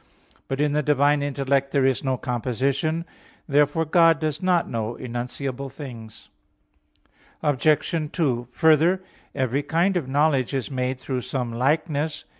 But in the divine intellect, there is no composition. Therefore God does not know enunciable things. Obj. 2: Further, every kind of knowledge is made through some likeness.